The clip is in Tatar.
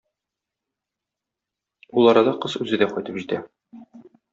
Ул арада кыз үзе дә кайтып җитә.